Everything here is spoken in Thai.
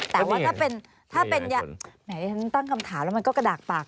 แต่ว่าถ้าเป็นแหมที่ฉันตั้งคำถามแล้วมันก็กระดากปาก